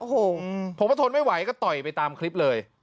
โอ้โหผมก็ทนไม่ไหวก็ต่อยไปตามคลิปเลย